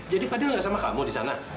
jadi fadil gak sama kamu di sana